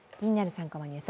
３コマニュース」